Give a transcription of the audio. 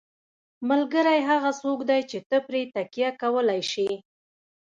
ملګری هغه څوک دی چې ته پرې تکیه کولی شې.